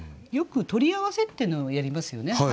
よく取り合わせっていうのをやりますよね